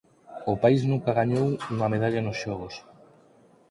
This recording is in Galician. O país nunca gañou unha medalla nos Xogos.